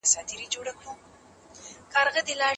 اوس د شیخانو له شامته شهباز ویني ژاړي